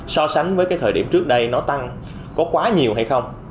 so sánh với cái thời điểm trước đây nó tăng có quá nhiều hay không